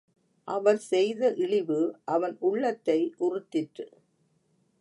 அவர் செய்த இழிவு, அவன் உள்ளத்தை உறுத்திற்று.